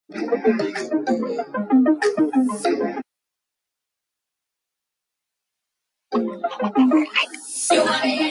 It integrates the use of many project formats for handling and saving multiple files.